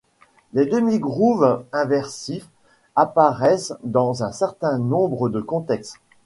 Les demi-groupes inversifs apparaissent dans un certain nombre de contextes.